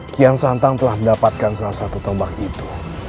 kian santang telah mendapatkan salah satu tombak itu